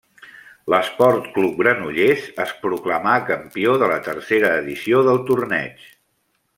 L'Esport Club Granollers es proclamà campió de la tercera edició del torneig.